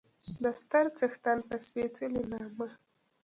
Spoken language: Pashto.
د ستر څښتن په سپېڅلي نامه